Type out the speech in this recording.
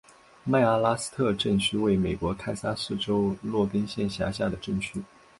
麦阿拉斯特镇区为美国堪萨斯州洛根县辖下的镇区。